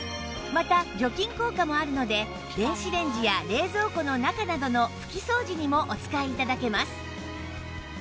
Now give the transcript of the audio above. また除菌効果もあるので電子レンジや冷蔵庫の中などの拭き掃除にもお使い頂けます